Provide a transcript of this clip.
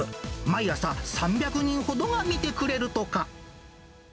毎朝３００人ほどが見てくれるとか。